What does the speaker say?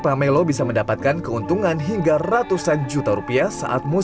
selain rutin membasmi hama buah jeruk juga dibunuh